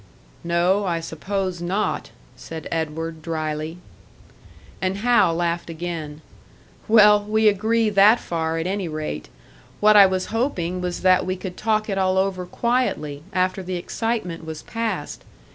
"No, I suppose not," said Edward, drily. And Hal laughed again. "Well, we agree that far, at any rate. What I was hoping was that we could talk it all over quietly, after the excitement was past.